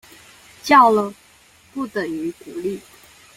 教了，不等於鼓勵